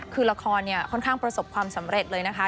คือละครเนี่ยค่อนข้างประสบความสำเร็จเลยนะคะ